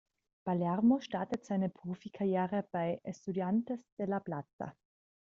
Palermo startete seine Profikarriere bei Estudiantes de La Plata.